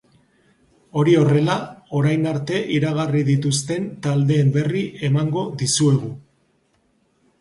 Hori horrela, orain arte iragarri dituzten taldeen berri emango dizuegu.